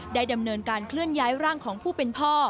ดำเนินการเคลื่อนย้ายร่างของผู้เป็นพ่อ